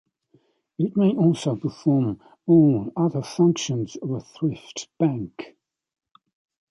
It may also perform all other functions of a thrift bank.